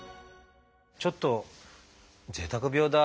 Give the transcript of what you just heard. ちょっとぜいたく病だ」。